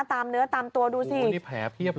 ตามเนื้อตามตัวดูสิโอ้นี่แผลเพียบเลย